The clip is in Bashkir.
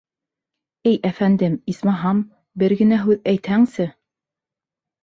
— Эй әфәндем, исмаһам, бер генә һүҙ әйтһәңсе!